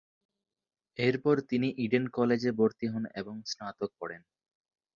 এরপর তিনি ইডেন কলেজে ভর্তি হন এবং স্নাতক পড়েন।